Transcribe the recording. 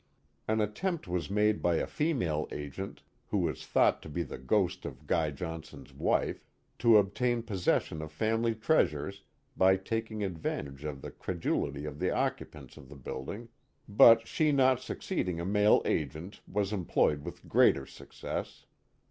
An attempt was made by a female agent, who was thought to be the ghost of Guy Johnson's wife, to obtain possession of family treasures by taking advantage of the credulity of the occupants of the building, but she not succeeding a male agent was employed with greater success.